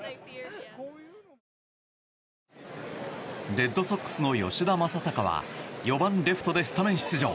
レッドソックスの吉田正尚は４番レフトでスタメン出場。